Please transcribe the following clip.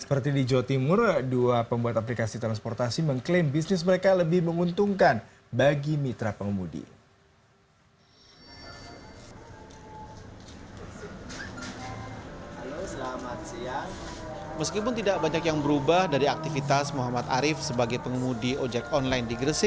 seperti di jawa timur dua pembuat aplikasi transportasi mengklaim bisnis mereka lebih menguntungkan bagi mitra pengemudi